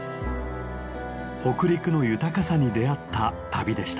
北陸の豊かさに出会った旅でした。